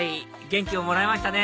元気をもらえましたね！